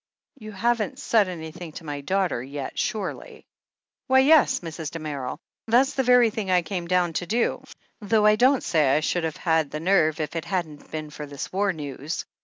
"You haven't said anything to my daughter yet, surely?" "Why, yes, Mrs. Damerel. That's the very thing I came down to do, though I don't say I should have had the nerve if it hadn't been for this war news.